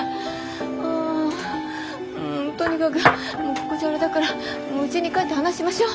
はぁとにかくここじゃあれだからうちに帰って話しましょう。